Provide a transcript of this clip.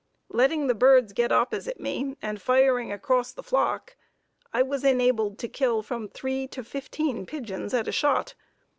Letting the birds get opposite me and firing across the flock, I was enabled to kill from three to fifteen pigeons at a shot.